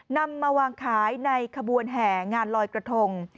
นำมาวางขายในขบวนแห่งานลอยกระทง